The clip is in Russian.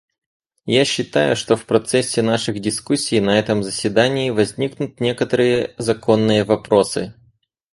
Я считаю, что в процессе наших дискуссий на этом заседании возникнут некоторые законные вопросы.